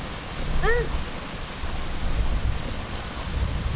うん。